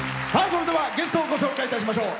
それではゲストをご紹介いたしましょう。